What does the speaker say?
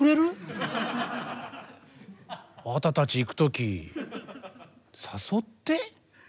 あたたち行く時誘って。